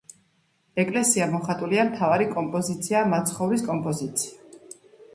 ეკლესია მოხატულია, მთავარი კომპოზიციაა მაცხოვრის კომპოზიცია.